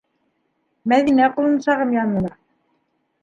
Мәҙинә ҡолонсағым янына.